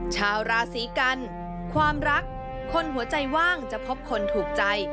ชาวราศีกันความรักคนหัวใจว่างจะพบคนถูกใจ